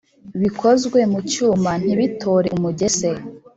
bikozwe mu cyuma ntibitore umugese